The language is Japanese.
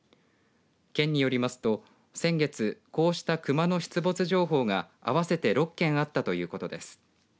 県によりますと先月、こうしたクマの出没情報が合わせて６件あったということです。